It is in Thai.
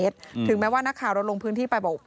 ถึงแม้ว่านักข่าวลงพื้นที่บอกว่า